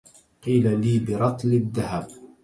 قيل لي برطل الذهب